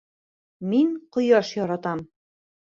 Мин ҡояш яратам